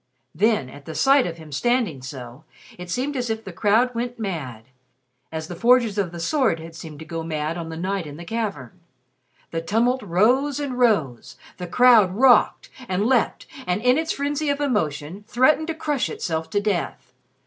Then, at the sight of him standing so, it seemed as if the crowd went mad as the Forgers of the Sword had seemed to go mad on the night in the cavern. The tumult rose and rose, the crowd rocked, and leapt, and, in its frenzy of emotion, threatened to crush itself to death.